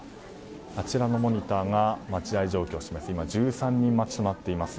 あちらのモニターが待合状況を示している。